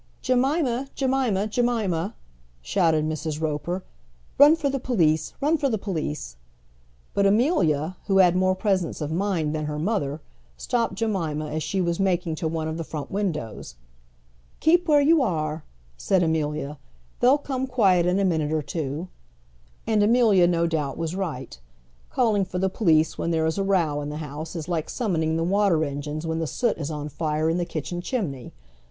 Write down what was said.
"Jemima, Jemima, Jemima!" shouted Mrs. Roper. "Run for the police; run for the police!" But Amelia, who had more presence of mind than her mother, stopped Jemima as she was making to one of the front windows. "Keep where you are," said Amelia. "They'll come quiet in a minute or two." And Amelia no doubt was right. Calling for the police when there is a row in the house is like summoning the water engines when the soot is on fire in the kitchen chimney.